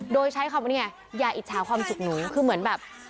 โดยใช้คำว่านี่ไงอย่าอิจฉาความสุขหนูคือเหมือนแบบ